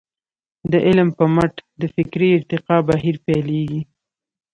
د علم په مټ د فکري ارتقاء بهير پيلېږي.